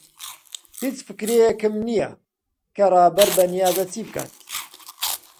هیچ فکرەیەکم نییە کە ڕابەر بەنیازە چی بکات.